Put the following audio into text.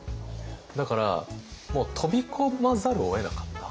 だからもう飛び込まざるをえなかった。